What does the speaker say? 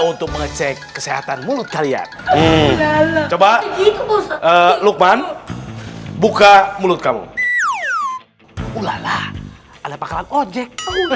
untuk mengecek kesehatan mulut kalian coba lukman buka mulut kamu ulalah ada pakalan ojek